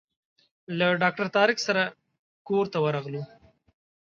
له ډاکټر طارق سره کور ته ورغلو.